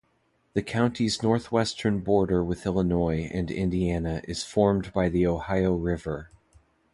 The county's northwestern border with Illinois and Indiana is formed by the Ohio River.